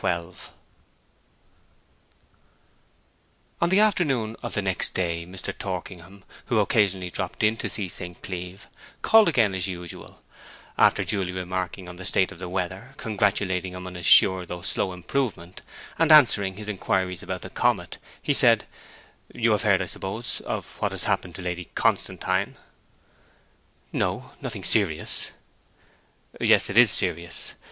XII On the afternoon of the next day Mr. Torkingham, who occasionally dropped in to see St. Cleeve, called again as usual; after duly remarking on the state of the weather, congratulating him on his sure though slow improvement, and answering his inquiries about the comet, he said, 'You have heard, I suppose, of what has happened to Lady Constantine?' 'No! Nothing serious?' 'Yes, it is serious.'